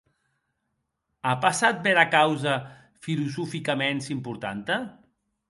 A passat bèra causa filosoficaments importanta?